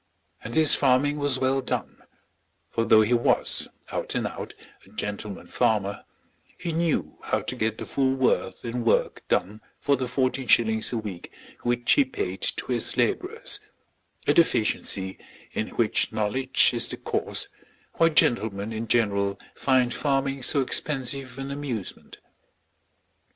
And his farming was well done; for though he was, out and out, a gentleman farmer, he knew how to get the full worth in work done for the fourteen shillings a week which he paid to his labourers, a deficiency in which knowledge is the cause why gentlemen in general find farming so expensive an amusement.